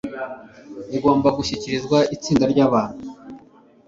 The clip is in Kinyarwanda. igomba gushyikirizwa itsinda rya abantu